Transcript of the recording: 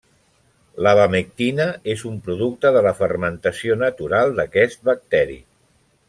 L'abamectina és un producte de la fermentació natural d'aquest bacteri.